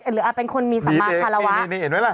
หรือเป็นคนมีสำหรับธาราวะ